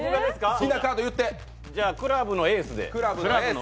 じゃあクラブのエースで。